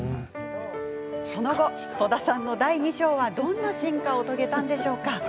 その後、戸田さんの第２章はどんな進化を遂げたのでしょうか。